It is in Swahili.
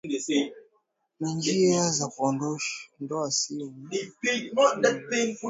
na njia za kuondoa sumu kwa kuiloweka mihogo katika maji kwa muda Lakini kama